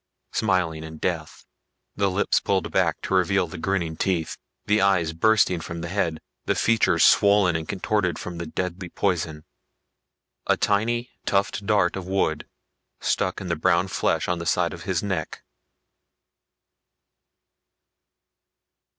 Smiling in death. The lips pulled back to reveal the grinning teeth, the eyes bursting from the head, the features swollen and contorted from the deadly poison. A tiny, tufted dart of wood stuck in the brown flesh on the side of his neck.